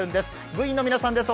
部員の皆さんです。